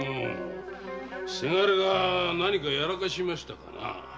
倅が何かやらかしましたかな。